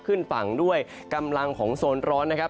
ขึ้นฝั่งด้วยกำลังของโซนร้อนนะครับ